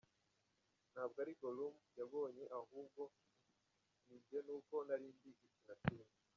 Ntabwo ari Gollum yabonye ahubwo ninjye ni uko nari ndi gukina filime.